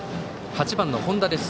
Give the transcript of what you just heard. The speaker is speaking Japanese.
８番の本田です。